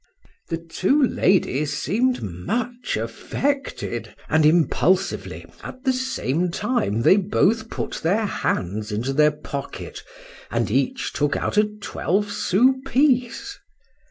The two ladies seemed much affected; and impulsively, at the same time they both put their hands into their pocket, and each took out a twelve sous piece.